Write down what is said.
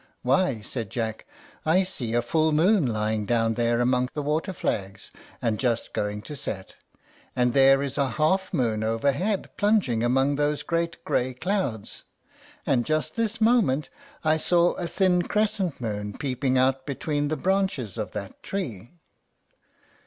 "Why," said Jack, "I see a full moon lying down there among the water flags, and just going to set, and there is a half moon overhead plunging among those great gray clouds, and just this moment I saw a thin crescent moon peeping out between the branches of that tree."